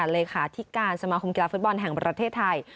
เลขาธิการสมาคมกีฬาฟุตบอลแห่งประเทศไทย